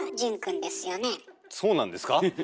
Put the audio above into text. そうなんですか⁉うん。